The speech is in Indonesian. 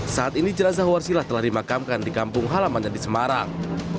saat ini jelasah warsila telah dimakamkan di kampung halaman yang di semarang